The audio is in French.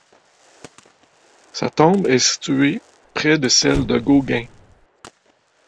Sa tombe est située près de celle de Gauguin.